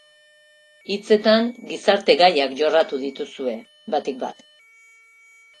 Hitzetan gizarte gaiak jorratu dituzue, batik bat.